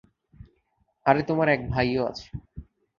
আরে তোমার এক ভাইও আছে।